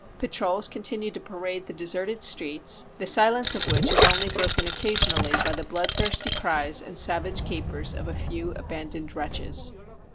Patrols continue to parade the deserted streets, the silence of which is only broken occasionally by the bloodthirsty cries and savage capers of a few abandoned wretches.